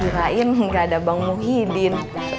kirain gak ada bang muhyiddin